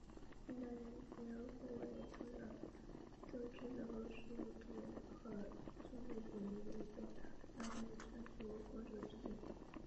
南洋大学及其所代表是迁民社会在本地的华文教育与中华文化的传承。